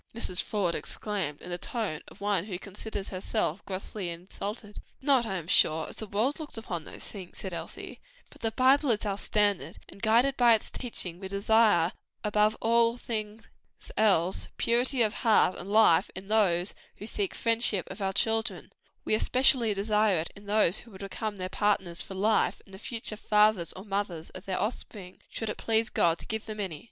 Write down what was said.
Mrs. Faude exclaimed, in the tone of one who considers herself grossly insulted. "Not, I am sure, as the world looks upon these things," said Elsie, "but the Bible is our standard; and guided by its teachings we desire above all things else, purity of heart and life in those who seek the friendship of our children; and very especially in those who are to become their partners for life, and the future fathers or mothers of their offspring, should it please God to give them any."